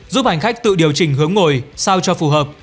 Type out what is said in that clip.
giúp hành khách tự điều chỉnh hướng ngồi sao cho phù hợp